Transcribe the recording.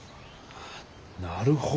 なるほど。